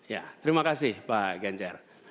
ya terima kasih pak ganjar